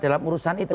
dalam urusan itu